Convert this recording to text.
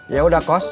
ya udah kos